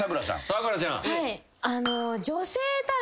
咲楽ちゃん。